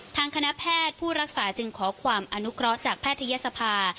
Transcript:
ทางคณะแพทย์ผู้รักษาจึงขอความอนุเคราะห์จากแพทยศภา